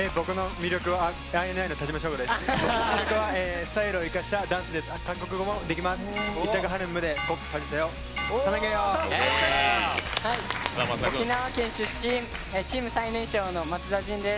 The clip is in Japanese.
魅力はスタイルを生かしたダンスです。